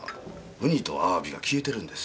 ウニとアワビが消えてるんです。